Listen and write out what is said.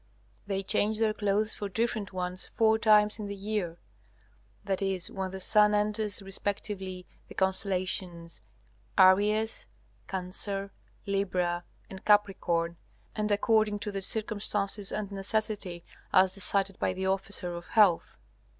They change their clothes for different ones four times in the year, that is when the sun enters respectively the constellations Aries, Cancer, Libra, and Capricorn, and according to the circumstances and necessity as decided by the officer of health.